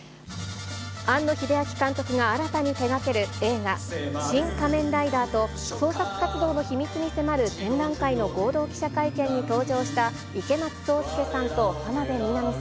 庵野秀明監督が新たに手がける映画、シン・仮面ライダーと、創作活動の秘密に迫る展覧会の合同記者会見に登場した、池松壮亮